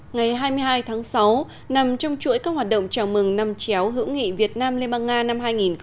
ngày hai mươi hai tháng sáu nằm trong chuỗi các hoạt động chào mừng năm chéo hữu nghị việt nam lemang nga năm hai nghìn một mươi chín